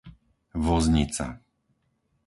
Voznica